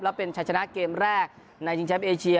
แล้วเป็นชัยชนะเกมแรกในชิงแชมป์เอเชีย